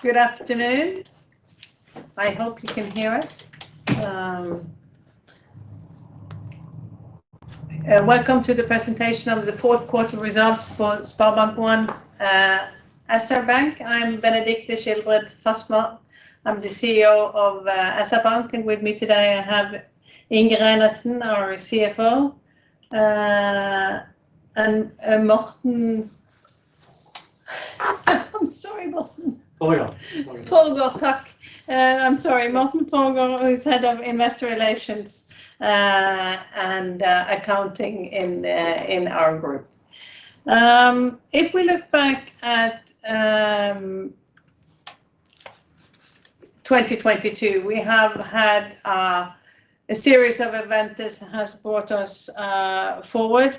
Good afternoon. I hope you can hear us. Welcome to the presentation of the fourth quarter results for SpareBank 1 SR-Bank. I'm Benedicte Schilbred Fasmer. I'm the CEO of SR-Bank, and with me today I have Inge Reinertsen, our CFO, and I'm sorry, Morten Forgaard, who's Head of Investor Relations and Accounting in our group. If we look back at 2022, we have had a series of event this has brought us forward.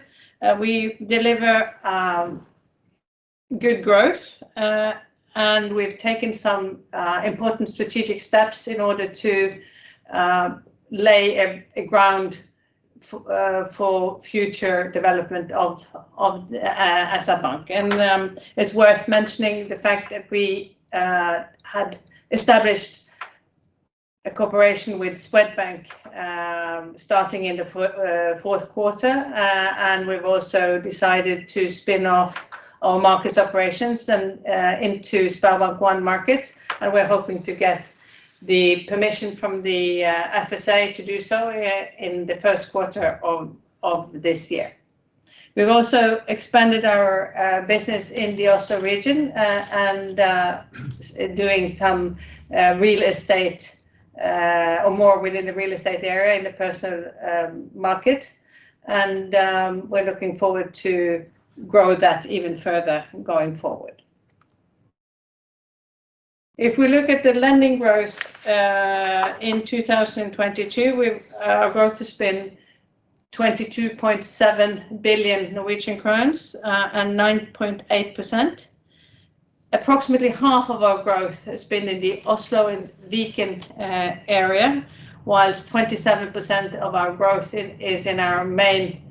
We deliver good growth, and we've taken some important strategic steps in order to lay a ground for future development of SR-Bank. It's worth mentioning the fact that we had established a cooperation with Swedbank, starting in the fourth quarter. We've also decided to spin off our markets operations into SpareBank 1 Markets, and we're hoping to get the permission from the FSA to do so in the first quarter of this year. We've also expanded our business in the Oslo region. Doing some real estate, or more within the real estate area in the personal market. We're looking forward to grow that even further going forward. If we look at the lending growth in 2022, we've our growth has been 22.7 billion Norwegian crowns, and 9.8%. Approximately half of our growth has been in the Oslo and Viken area, whilst 27% of our growth is in our main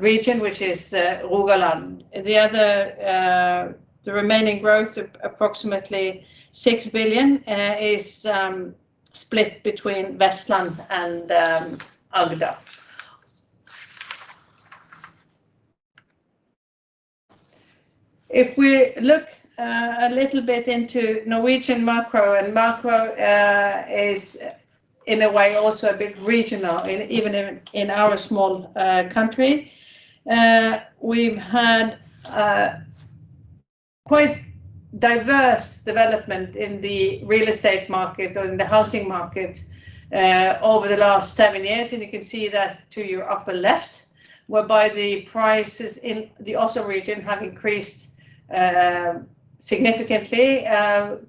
region, which is Rogaland. The other, the remaining growth approximately 6 billion is split between Vestland and Agder. If we look a little bit into Norwegian macro, and macro is in a way also a bit regional even in our small country. We've had quite diverse development in the real estate market or in the housing market over the last seven years, and you can see that to your upper left, whereby the prices in the Oslo region have increased significantly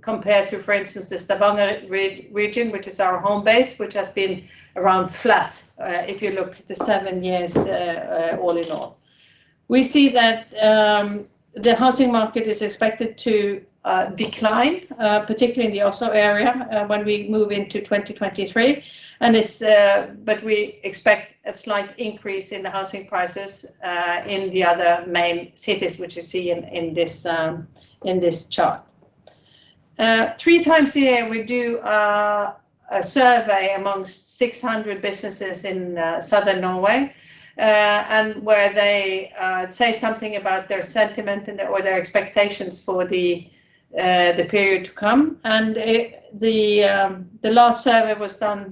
compared to, for instance, the Stavanger region, which is our home base, which has been around flat if you look at the seven years all in all. We see that the housing market is expected to decline particularly in the Oslo area when we move into 2023. It's, but we expect a slight increase in the housing prices in the other main cities which you see in this chart. Three times a year we do a survey amongst 600 businesses in southern Norway. Where they say something about their sentiment and/or their expectations for the period to come. The last survey was done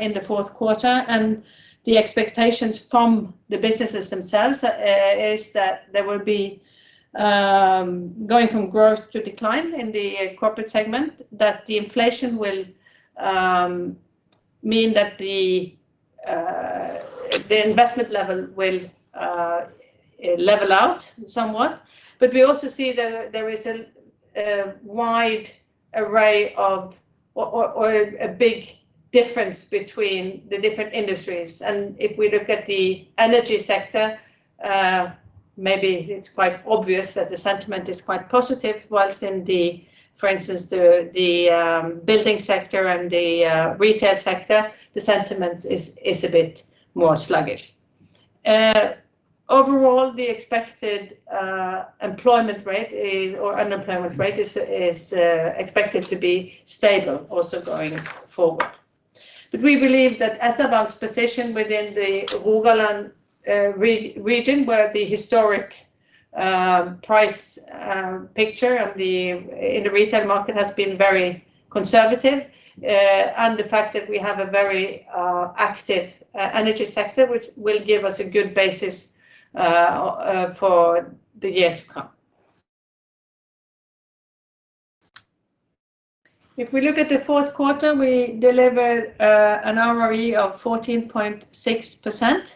in the fourth quarter, and the expectations from the businesses themselves is that there will be going from growth to decline in the corporate segment, that the inflation will mean that the investment level will level out somewhat. We also see that there is a wide array of, or, or a big difference between the different industries. If we look at the energy sector, maybe it's quite obvious that the sentiment is quite positive, whilst in the, for instance, the building sector and the retail sector, the sentiment is a bit more sluggish. Overall, the expected unemployment rate is expected to be stable also going forward. We believe that SR Bank's position within the Rogaland region where the historic price picture and the in the retail market has been very conservative, and the fact that we have a very active energy sector which will give us a good basis for the year to come. If we look at the fourth quarter, we delivered an ROE of 14.6%,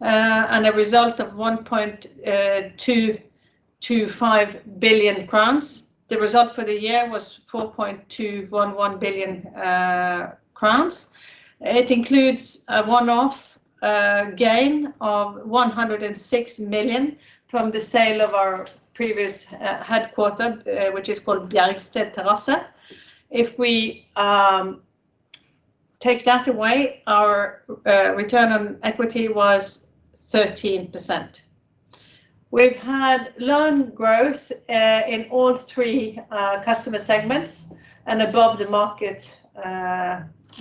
and a result of 1.225 billion crowns. The result for the year was 4.211 billion crowns. It includes a one-off gain of 106 million from the sale of our previous headquarter, which is called Bjergsted Terrasse. Take that away, our return on equity was 13%. We've had loan growth in all three customer segments and above the market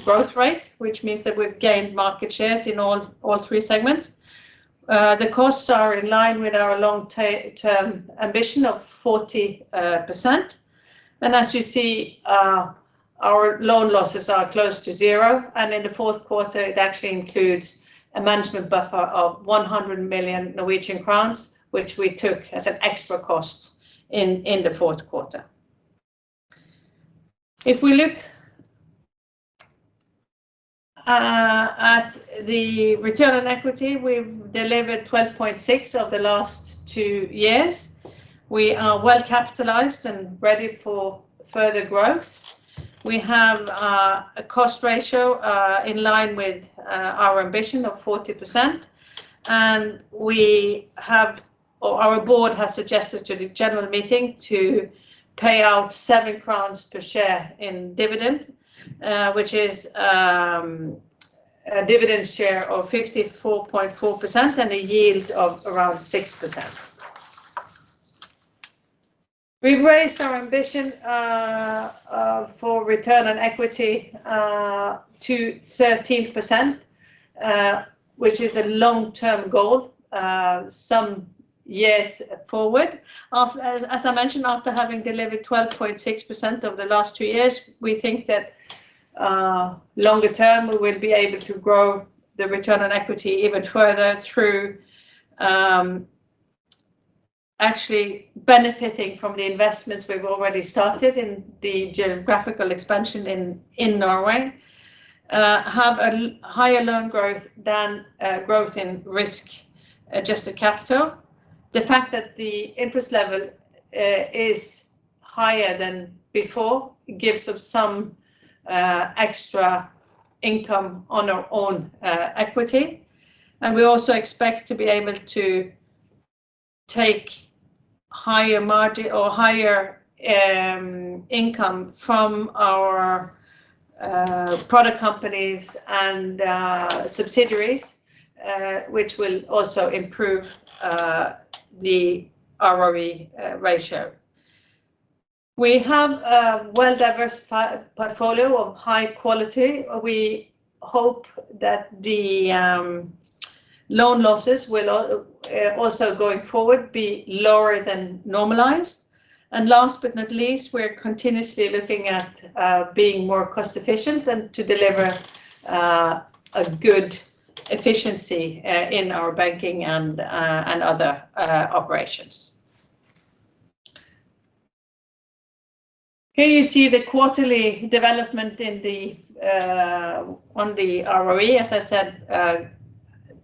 growth rate, which means that we've gained market shares in all three segments. The costs are in line with our long-term ambition of 40%. As you see, our loan losses are close to zero. In the fourth quarter, it actually includes a management buffer of 100 million Norwegian crowns, which we took as an extra cost in the fourth quarter. If we look at the return on equity, we've delivered 12.6% of the last two years. We are well capitalized and ready for further growth. We have a cost ratio in line with our ambition of 40%. Our board has suggested to the general meeting to pay out 7 crowns per share in dividend, which is a dividend share of 54.4% and a yield of around 6%. We've raised our ambition for return on equity to 13%, which is a long-term goal some years forward. As I mentioned, after having delivered 12.6% over the last two years, we think that longer term, we will be able to grow the return on equity even further through actually benefiting from the investments we've already started in the geographical expansion in Norway, have a higher loan growth than growth in risk-adjusted capital. The fact that the interest level is higher than before gives us some extra income on our own equity. We also expect to be able to take higher income from our product companies and subsidiaries, which will also improve the ROE ratio. We have a well-diversified portfolio of high quality. We hope that the loan losses will also going forward be lower than normalized. Last but not least, we're continuously looking at being more cost efficient and to deliver a good efficiency in our banking and other operations. Here you see the quarterly development in the on the ROE. As I said,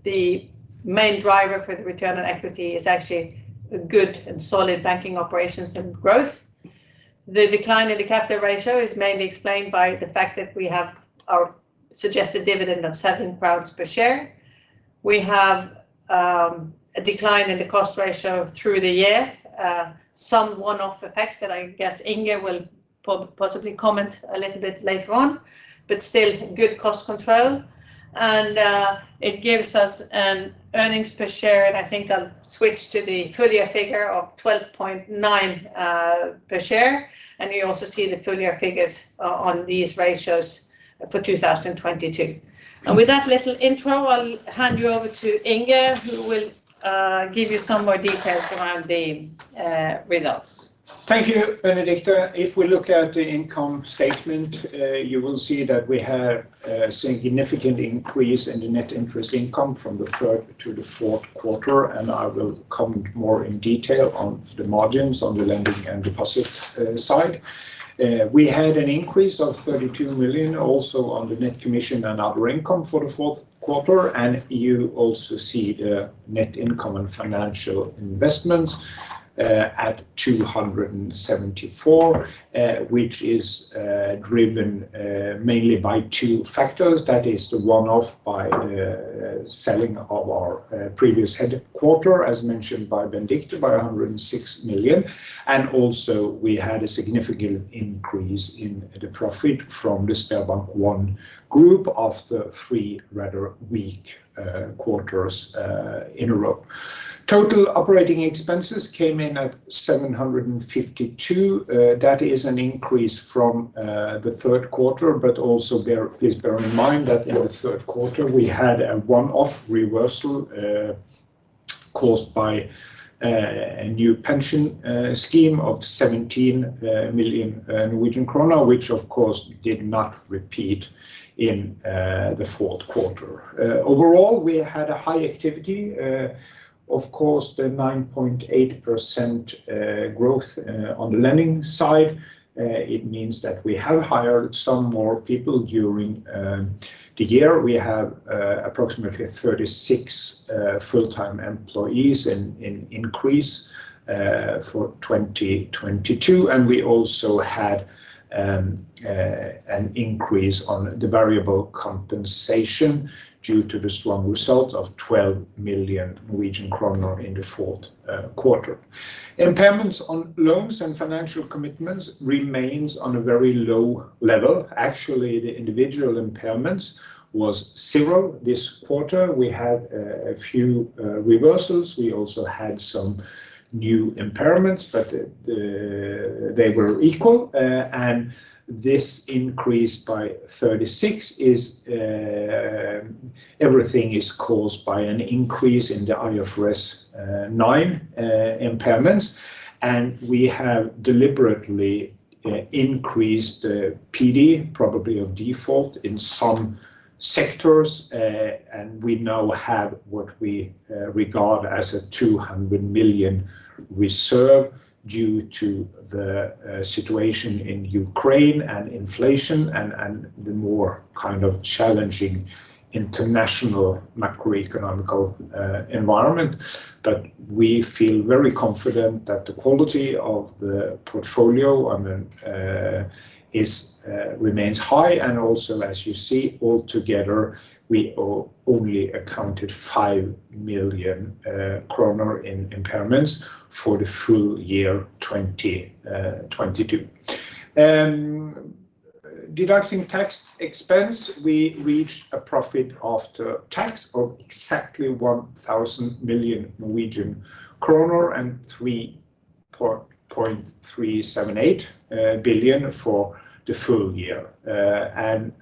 the main driver for the return on equity is actually a good and solid banking operations and growth. The decline in the capital ratio is mainly explained by the fact that we have our suggested dividend of 7 crowns per share. We have a decline in the cost ratio through the year. Some one-off effects that I guess Inge will possibly comment a little bit later on, but still good cost control. It gives us an earnings per share, and I think I'll switch to the full year figure of 12.9 per share. You also see the full year figures on these ratios for 2022. With that little intro, I'll hand you over to Inge, who will give you some more details around the results. Thank you, Benedicte. If we look at the income statement, you will see that we have a significant increase in the net interest income from the third to the fourth quarter. I will come more in detail on the margins on the lending and deposit side. We had an increase of 32 million also on the net commission and other income for the fourth quarter. You also see the net income and financial investments at 274, which is driven mainly by two factors. That is the one-off by selling of our previous headquarter, as mentioned by Benedicte, by 106 million. Also we had a significant increase in the profit from the SpareBank 1 Gruppen after three rather weak quarters in a row. Total operating expenses came in at 752. That is an increase from the third quarter. Also bear, please bear in mind that in the third quarter, we had a one-off reversal caused by a new pension scheme of 17 million Norwegian krone which of course did not repeat in the fourth quarter. Overall, we had a high activity. Of course, the 9.8% growth on the lending side, it means that we have hired some more people during the year. We have approximately 36 full-time employees in increase for 2022. We also had an increase on the variable compensation due to the strong result of 12 million Norwegian kroner in the fourth quarter. Impairments on loans and financial commitments remains on a very low level. Actually, the individual impairments was zero this quarter. We had a few reversals. We also had some new impairments, they were equal. This increase by 36 is everything is caused by an increase in the IFRS 9 impairments. We have deliberately increased PD, probability of default, in some sectors. We now have what we regard as a 200 million reserve due to the situation in Ukraine and inflation and the more kind of challenging international macroeconomical environment, that we feel very confident that the quality of the portfolio and then remains high. Also, as you see all together, we only accounted 5 million kroner in impairments for the full year 2022. Deducting tax expense, we reached a profit after tax of exactly 1 billion Norwegian kroner and 3.378 billion for the full year.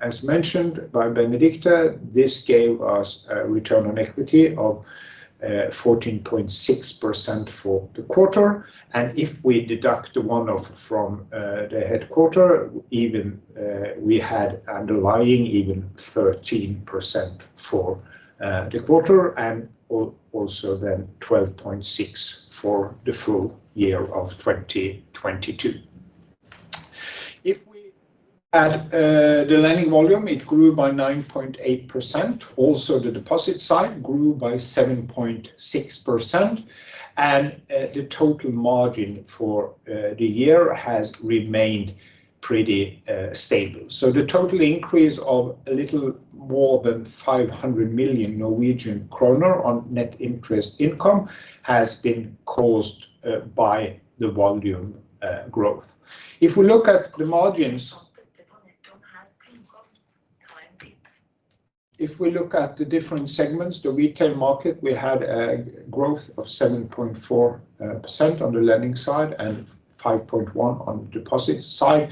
As mentioned by Benedicte, this gave us a return on equity of 14.6% for the quarter. If we deduct the one-off from the headquarters, even, we had underlying even 13% for the quarter and also then 12.6% for the full year of 2022. If we at the lending volume, it grew by 9.8%. Also the deposit side grew by 7.6%. The total margin for the year has remained pretty stable. The total increase of a little more than 500 million Norwegian kroner on net interest income has been caused by the volume growth. If we look at the different segments, the retail market, we had a growth of 7.4% on the lending side and 5.1% on the deposit side.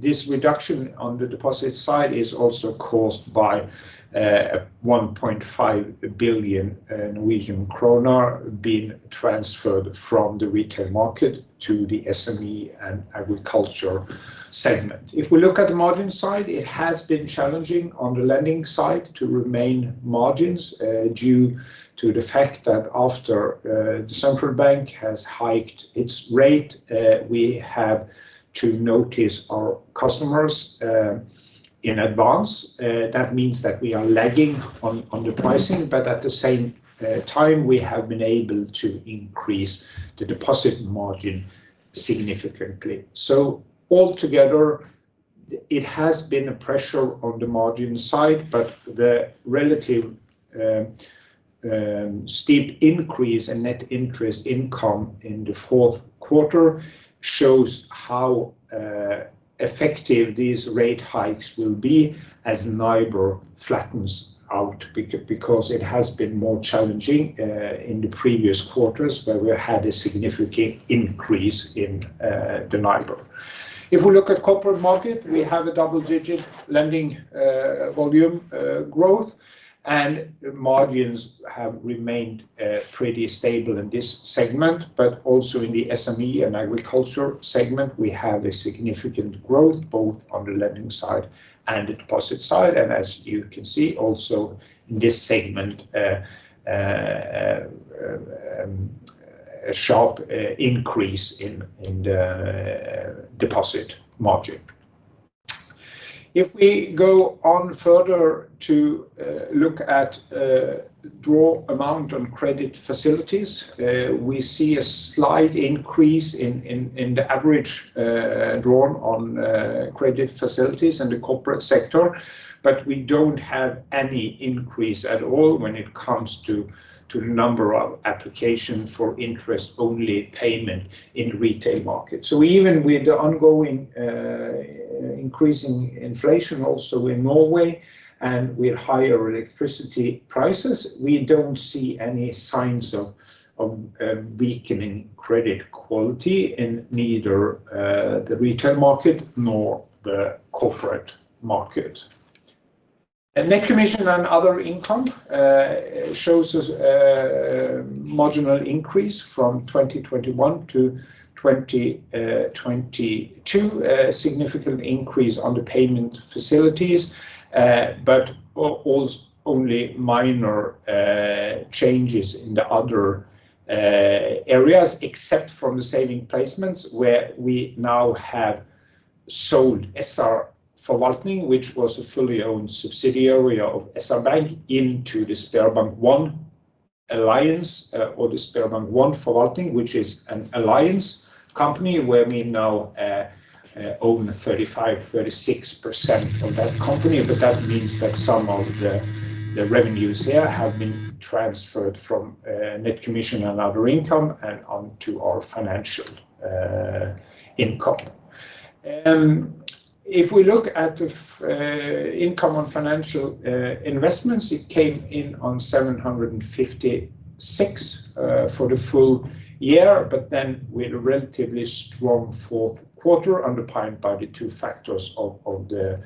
This reduction on the deposit side is also caused by 1.5 billion Norwegian kroner being transferred from the retail market to the SME and agriculture segment. If we look at the margin side, it has been challenging on the lending side to remain margins due to the fact that after the central bank has hiked its rate, we have to notice our customers in advance. That means that we are lagging on the pricing, but at the same time, we have been able to increase the deposit margin significantly. Altogether, it has been a pressure on the margin side, but the relative steep increase in net interest income in the fourth quarter shows how effective these rate hikes will be as NIBOR flattens out because it has been more challenging in the previous quarters where we had a significant increase in the NIBOR. If we look at corporate market, we have a double digit lending volume growth, and margins have remained pretty stable in this segment. Also in the SME and agriculture segment, we have a significant growth both on the lending side and the deposit side. As you can see also in this segment, a sharp increase in the deposit margin. If we go on further to look at draw amount on credit facilities, we see a slight increase in the average drawn on credit facilities in the corporate sector. We don't have any increase at all when it comes to number of application for interest-only payment in retail market. Even with the ongoing increasing inflation also in Norway, and with higher electricity prices, we don't see any signs of weakening credit quality in neither the retail market nor the corporate market. Net commission and other income shows us a marginal increase from 2021 to 2022. A significant increase on the payment facilities, only minor changes in the other areas, except from the saving placements, where we now have sold SR-Forvaltning, which was a fully owned subsidiary of SR Bank, into the SpareBank 1 Alliance, or the SpareBank 1 Forvaltning, which is an alliance company where we now own 35%, 36% of that company. That means that some of the revenues there have been transferred from net commission and other income and onto our financial income. If we look at the income on financial investments, it came in on 756 for the full year. We had a relatively strong fourth quarter underpinned by the two factors of the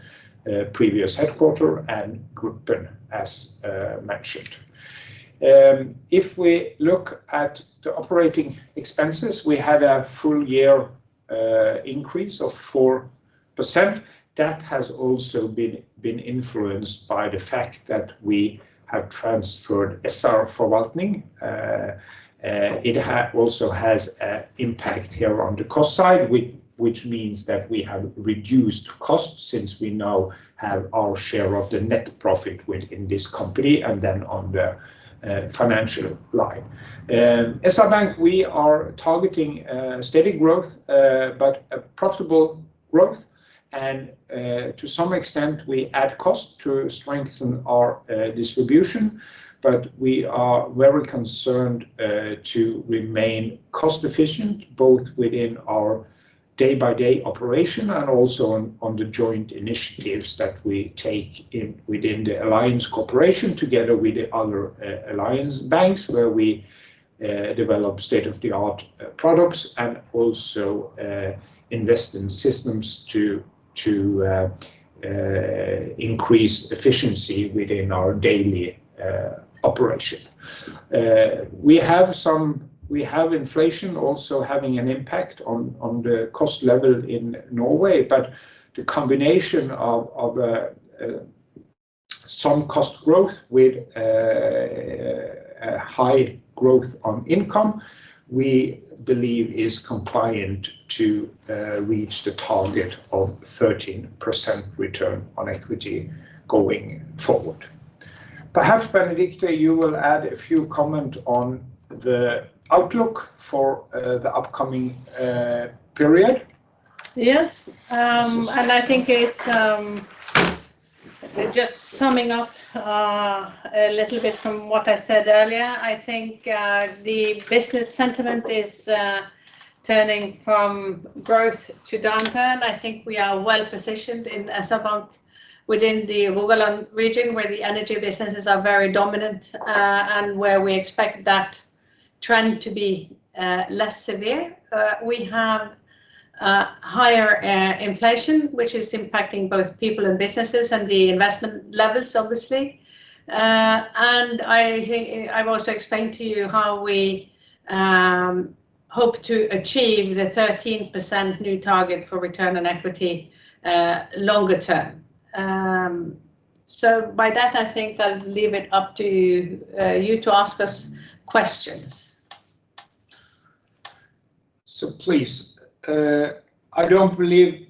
previous headquarter and Gruppen as mentioned. If we look at the operating expenses, we had a full year increase of 4%. That has also been influenced by the fact that we have transferred SR-Forvaltning. Also has an impact here on the cost side, which means that we have reduced costs since we now have our share of the net profit within this company and then on the financial line. SR Bank, we are targeting steady growth, but a profitable growth. To some extent, we add cost to strengthen our distribution, but we are very concerned to remain cost efficient, both within our day-by-day operation and also on the joint initiatives that we take in within the Alliance corporation together with the other Alliance banks where we develop state-of-the-art products and also invest in systems to increase efficiency within our daily operation. We have inflation also having an impact on the cost level in Norway, but the combination of some cost growth with a high growth on income, we believe is compliant to reach the target of 13% return on equity going forward. Perhaps, Benedicte, you will add a few comment on the outlook for the upcoming period. I think it's just summing up a little bit from what I said earlier, I think the business sentiment is turning from growth to downturn. I think we are well positioned in SR-Bank within the Rogaland region where the energy businesses are very dominant, and where we expect that trend to be less severe. We have a higher inflation, which is impacting both people and businesses and the investment levels, obviously. I think I've also explained to you how we hope to achieve the 13% new target for return on equity longer term. By that, I think I'll leave it up to you to ask us questions. Please, I don't believe,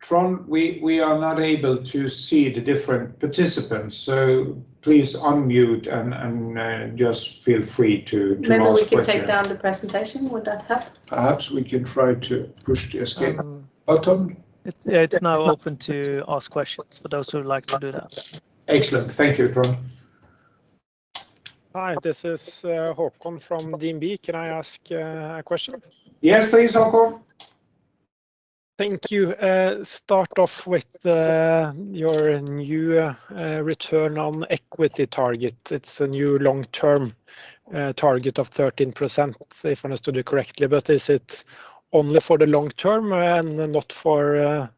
Trond, we are not able to see the different participants, so please unmute and just feel free to ask questions. Maybe we can take down the presentation. Would that help? Perhaps we can try to push the escape button. It's now open to ask questions for those who would like to do that. Excellent. Thank you, Trond. Hi, this is Håkon from DNB. Can I ask a question? Yes, please, Håkon. Thank you. Start off with your new return on equity target. It's a new long-term target of 13%, if I understood correctly. Is it only for the long term and not for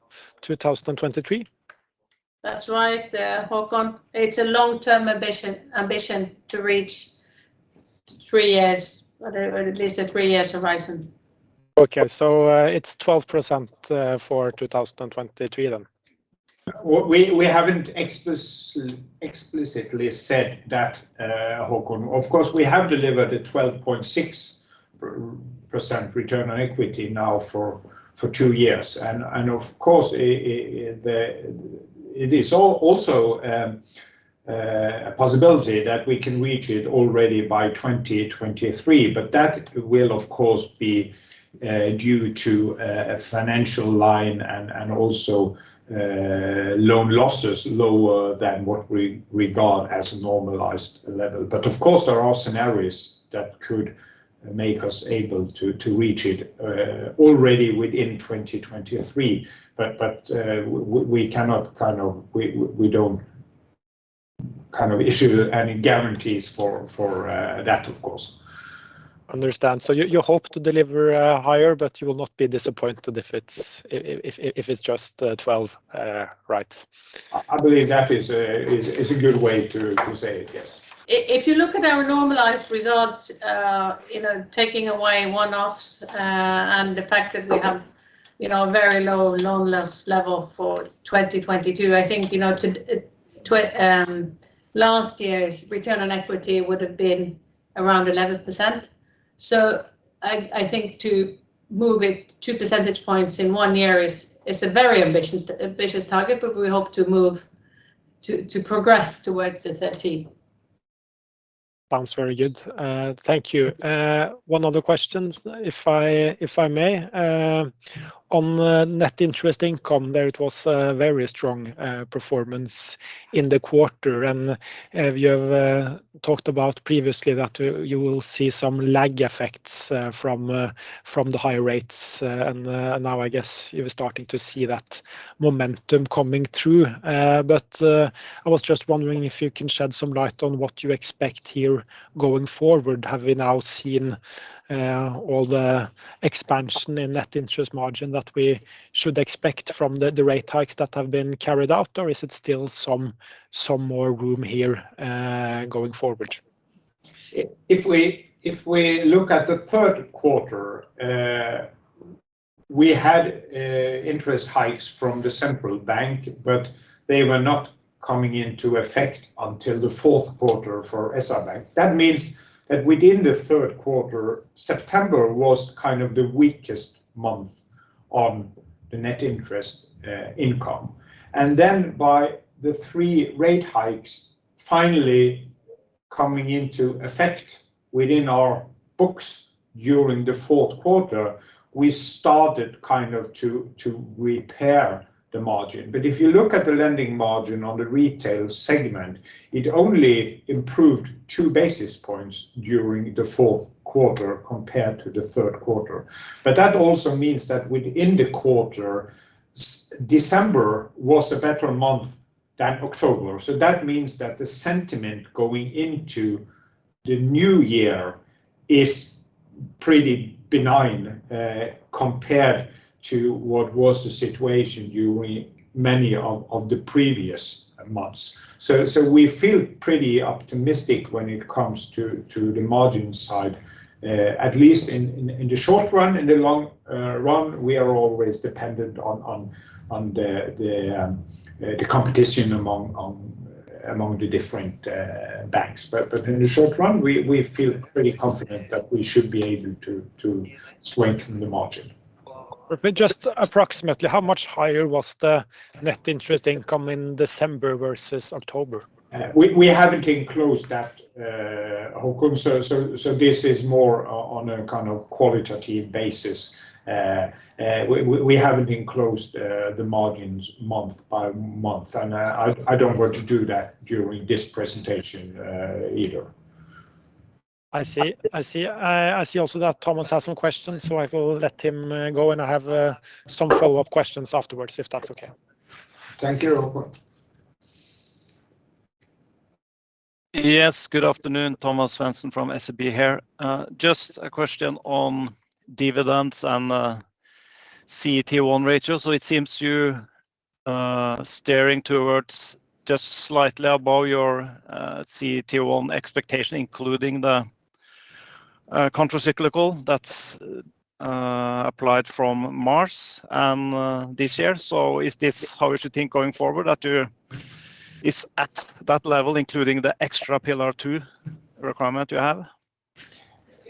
2023? That's right, Håkon. It's a long-term ambition to reach three years, whatever, at least a three years horizon. Okay. It's 12%, for 2023 then? We haven't explicitly said that, Håkon. Of course, we have delivered a 12.6% return on equity now for two years. Of course, it is also a possibility that we can reach it already by 2023. That will, of course, be due to a financial line and also loan losses lower than what we regard as a normalized level. Of course, there are scenarios that could make us able to reach it already within 2023. We don't kind of issue any guarantees for that, of course. Understand. You hope to deliver higher, but you will not be disappointed if it's just 12%. Right? I believe that is a good way to say it. Yes. If you look at our normalized result, you know, taking away one-offs, and the fact that we have, you know, a very low loan loss level for 2022, I think, you know, last year's return on equity would have been around 11%. I think to move it two percentage points in one year is a very ambitious target, but we hope to move to progress towards the 13%. Sounds very good. Thank you. One other questions if I may? On the net interest income, there was a very strong performance in the quarter. You have talked about previously that you will see some lag effects from the higher rates. Now I guess you're starting to see that momentum coming through. I was just wondering if you can shed some light on what you expect here going forward, having now seen all the expansion in net interest margin that we should expect from the rate hikes that have been carried out, or is it still some more room here going forward? If we look at the third quarter, we had interest hikes from the central bank, they were not coming into effect until the fourth quarter for SR-Bank. That means that within the third quarter, September was kind of the weakest month on the net interest income. By the three rate hikes finally coming into effect within our books during the fourth quarter, we started kind of to repair the margin. If you look at the lending margin on the retail segment, it only improved 2 basis points during the fourth quarter compared to the third quarter. That also means that within the quarter, December was a better month than October. That means that the sentiment going into the new year is pretty benign compared to what was the situation during many of the previous months. We feel pretty optimistic when it comes to the margin side, at least in the short run. In the long run we are always dependent on the competition among the different banks. In the short run, we feel pretty confident that we should be able to strengthen the margin. Just approximately how much higher was the net interest income in December versus October? We haven't enclosed that, Håkon. This is more on a kind of qualitative basis. We haven't enclosed the margins month by month, and I don't want to do that during this presentation, either. I see. I see also that Thomas has some questions. I will let him go. I have some follow-up questions afterwards, if that's okay. Thank you, Håkon. Yes. Good afternoon. Thomas Svendsen from SEB here. Just a question on dividends and CET1 ratio. It seems you're steering towards just slightly above your CET1 expectation, including the countercyclical that's applied from March this year. Is this how we should think going forward, that is at that level, including the extra Pillar 2 requirement you have?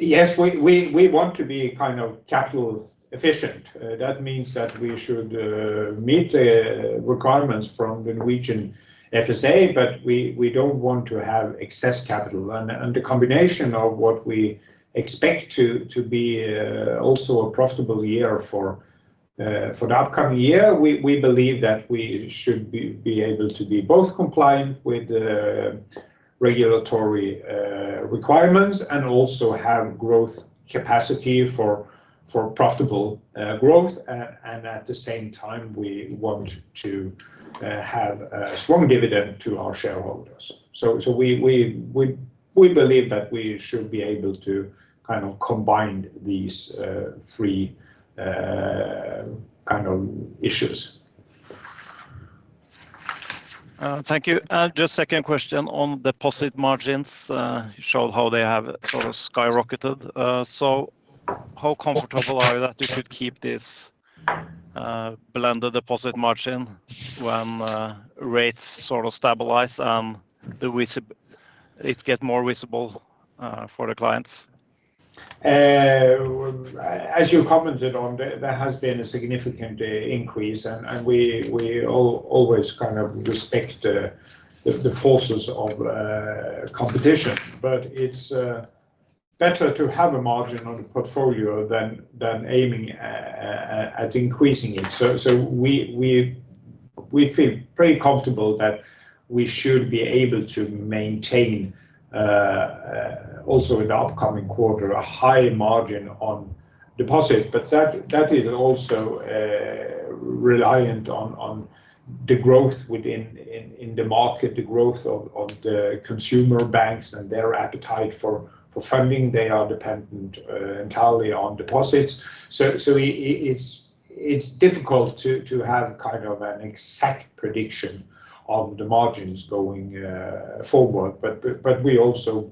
Yes. We want to be kind of capital efficient. That means that we should meet the requirements from the Norwegian FSA, but we don't want to have excess capital. The combination of what we expect to be also a profitable year for the upcoming year, we believe that we should be able to be both compliant with the regulatory requirements and also have growth capacity for profitable growth. At the same time, we want to have a strong dividend to our shareholders. We believe that we should be able to kind of combine these three kind of issues. Thank you. Just second question on deposit margins. You showed how they have sort of skyrocketed. How comfortable are you that you could keep this blended deposit margin when rates sort of stabilize and the risk it get more visible for the clients? As you commented on, there has been a significant increase and we always kind of respect the forces of competition, but it's better to have a margin on the portfolio than aiming at increasing it. We feel pretty comfortable that we should be able to maintain also in the upcoming quarter, a high margin on deposit. That is also reliant on the growth within in the market, the growth of the consumer banks and their appetite for funding. They are dependent entirely on deposits. It's, it's difficult to have kind of an exact prediction of the margins going forward. We also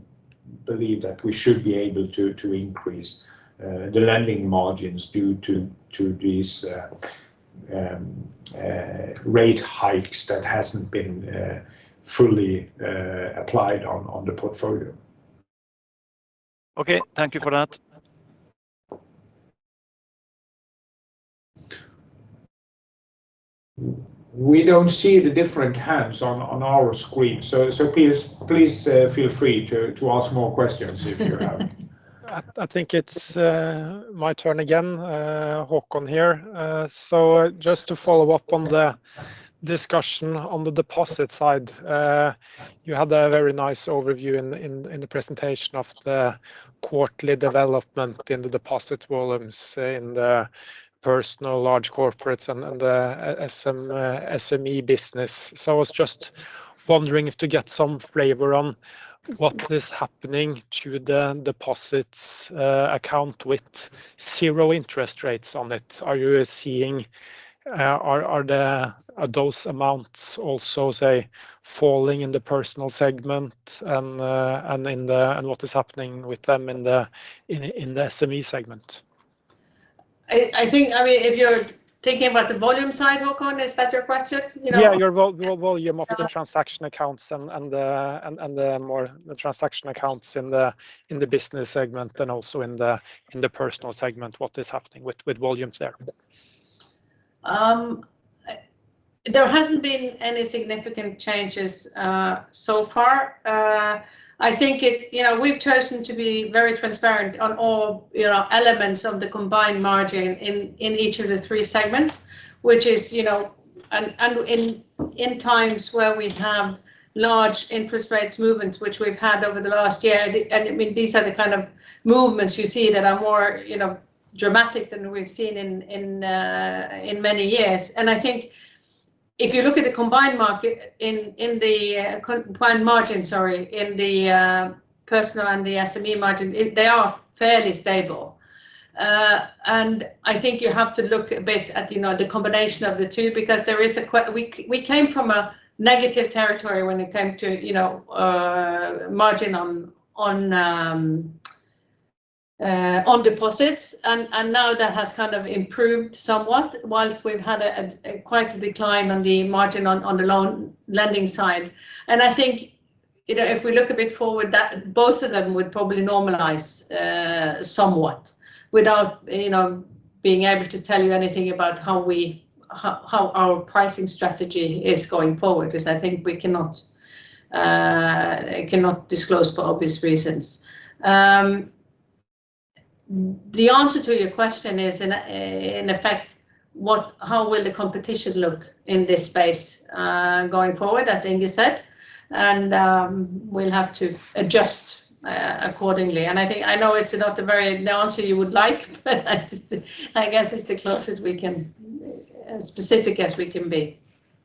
believe that we should be able to increase the lending margins due to these rate hikes that hasn't been fully applied on the portfolio. Okay. Thank you for that. We don't see the different hands on our screen. Please feel free to ask more questions if you have. I think it's my turn again. Håkon here. Just to follow up on the discussion on the deposit side. You had a very nice overview in the presentation of the quarterly development in the deposit volumes in the personal, large corporates and SME business. I was just wondering if to get some flavor on what is happening to the deposits account with zero interest rates on it. Are you seeing, are those amounts also, say, falling in the personal segment and what is happening with them in the SME segment? I think... I mean, if you're thinking about the volume side, Håkon, is that your question? You know. Yeah, your volume of the transaction accounts in the business segment and also in the personal segment, what is happening with volumes there? There hasn't been any significant changes so far. I think, you know, we've chosen to be very transparent on all, you know, elements of the combined margin in each of the three segments, which is, you know. In times where we've had large interest rates movements, which we've had over the last year, and, I mean, these are the kind of movements you see that are more, you know, dramatic than we've seen in many years. I think if you look at the combined margin, sorry, in the personal and the SME margin, they are fairly stable. I think you have to look a bit at, you know, the combination of the two because there is. We came from a negative territory when it came to, you know, margin on, on deposits and now that has kind of improved somewhat whilst we've had quite a decline on the margin on the loan lending side. I think, you know, if we look a bit forward, that both of them would probably normalize somewhat without, you know, being able to tell you anything about how our pricing strategy is going forward, because I think we cannot disclose for obvious reasons. The answer to your question is in effect. how will the competition look in this space, going forward, as Inge said, and we'll have to adjust accordingly. I think, I know it's not a very, the answer you would like, but I guess it's the closest we can, as specific as we can be.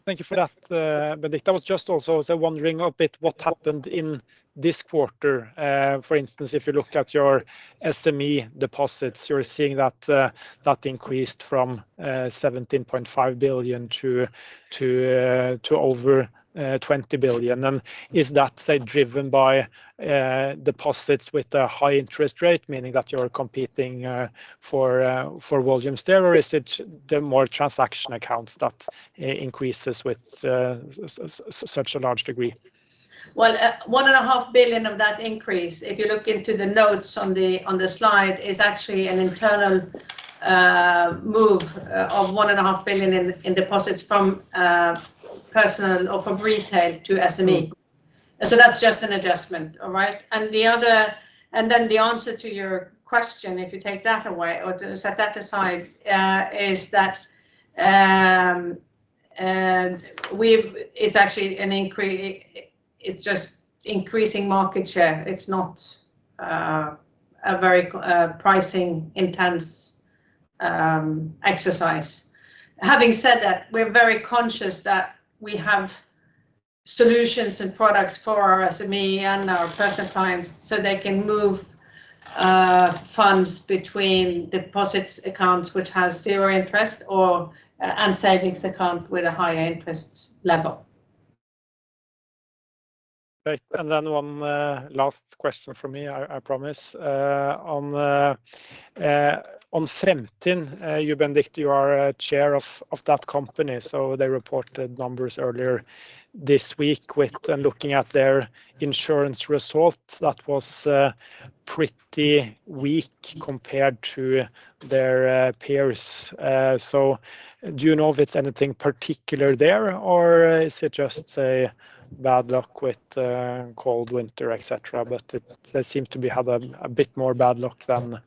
Thank you for that, Benedicte. I was just also wondering a bit what happened in this quarter. For instance, if you look at your SME deposits, you're seeing that increased from, 17.5 billion to over, 20 billion. Is that, say, driven by, deposits with a high interest rate, meaning that you're competing, for volumes there, or is it the more transaction accounts that increases with, such a large degree? Well, 1.5 billion of that increase, if you look into the notes on the slide, is actually an internal move of 1.5 billion in deposits from personal or from retail to SME. That's just an adjustment. All right? The other... The answer to your question, if you take that away or set that aside, is that we've it's just increasing market share. It's not a very pricing intense exercise. Having said that, we're very conscious that we have solutions and products for our SME and our personal clients so they can move funds between deposits accounts which has zero interest or and savings account with a higher interest level. Great. One last question from me, I promise. On Fremtind, you, Benedicte, you are chair of that company. They reported numbers earlier this week with. Looking at their insurance result, that was pretty weak compared to their peers. Do you know if it's anything particular there, or is it just a bad luck with a cold winter, et cetera? They seem to be have a bit more bad luck than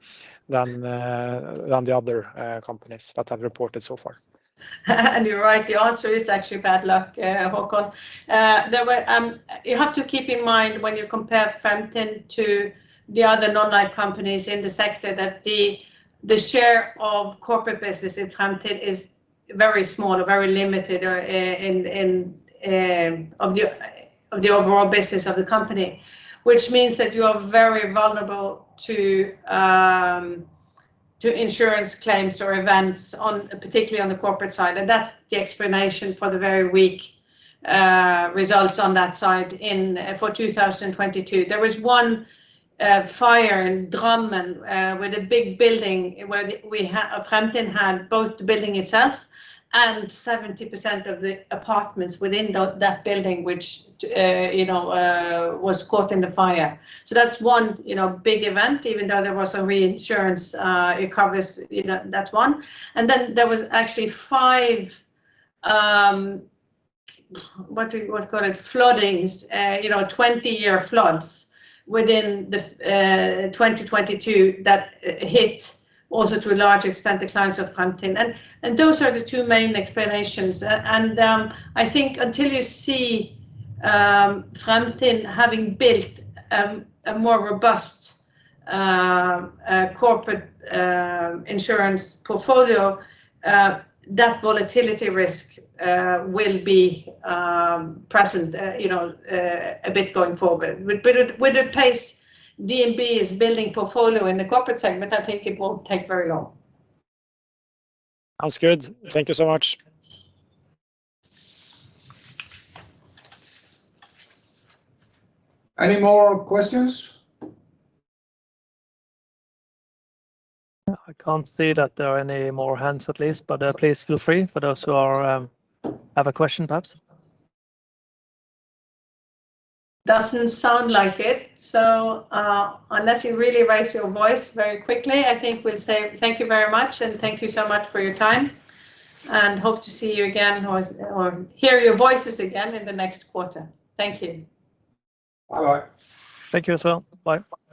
the other companies that have reported so far. You're right. The answer is actually bad luck, Håkon. You have to keep in mind when you compare Fremtind to the other non-life companies in the sector that the share of corporate business in Fremtind is very small or very limited, of the overall business of the company. Means that you are very vulnerable to insurance claims or events on, particularly on the corporate side. That's the explanation for the very weak results on that side for 2022. There was one fire in Drammen with a big building where Fremtind had both the building itself and 70% of the apartments within that building, which, you know, was caught in the fire. That's one, you know, big event, even though there was a reinsurance, you know, that's one. There was actually five floodings, you know, 20-year floods within the 2022 that hit also to a large extent the clients of Fremtind. And, I think until you see Fremtind having built a more robust corporate insurance portfolio, that volatility risk will be present, you know, a bit going forward. With the pace DNB is building portfolio in the corporate segment, I think it won't take very long. Sounds good. Thank you so much. Any more questions? No. I can't see that there are any more hands at least, but, please feel free for those who are, have a question perhaps. Doesn't sound like it, so, unless you really raise your voice very quickly, I think we'll say thank you very much and thank you so much for your time, and hope to see you again or hear your voices again in the next quarter. Thank you. Bye-bye. Thank you as well. Bye.